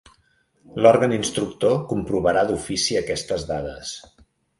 L'òrgan instructor comprovarà d'ofici aquestes dades.